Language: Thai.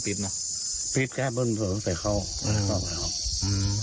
ปิดแค่บนเติมใส่เข้าแล้วเข้าไปออก